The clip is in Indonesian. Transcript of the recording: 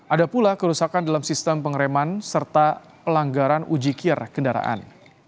ada pula kerusakan dalam sistem pengereman serta pelanggaran ujikir kendaraan